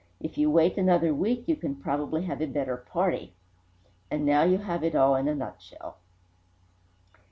If you wait another week, you can probably have a better party and now you have it all in a nutshell."